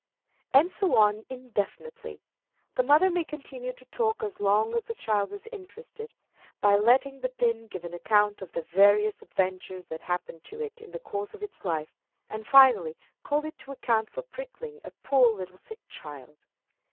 '" And so on indefinitely. The mother may continue the talk as long as the child is interested, by letting the pin give an account of the various adventures that happened to it in the course of its life, and finally call it to account for pricking a poor little sick child.